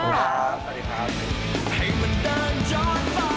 ขอบคุณครับสวัสดีครับ